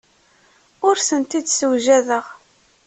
Ur tent-id-ssewjadeɣ.